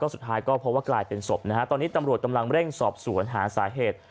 สุดท้ายก็เพราะว่ากลายเป็นศพตอนนี้ตำรวจกำลังเร่งสอบสู่อันทางสาเหตุ